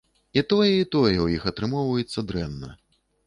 І тое, і тое ў іх атрымоўваецца дрэнна.